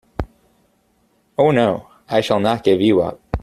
Oh no, I shall not give you up.